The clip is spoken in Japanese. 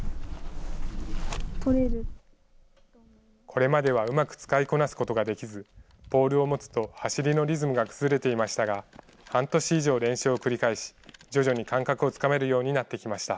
これまではうまく使いこなすことができず、ポールを持つと、走りのリズムが崩れていましたが、半年以上練習を繰り返し、徐々に感覚をつかめるようになってきました。